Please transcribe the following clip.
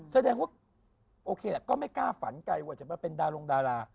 แสดงว่าโอเคแหละก็ไม่กล้าฝันไกลว่าจะมาเป็นดารงดารา